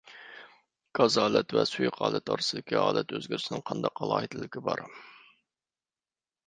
گاز ھالەت ۋە سۇيۇق ھالەت ئارىسىدىكى ھالەت ئۆزگىرىشىنىڭ قانداق ئالاھىدىلىكى بار؟